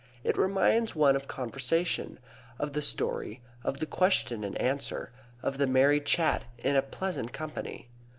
It reminds one of conversation; of the story, of the question and answer, of the merry chat in a pleasant company.